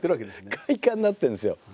快感になってるんですよ。